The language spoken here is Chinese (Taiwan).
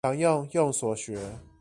想用用所學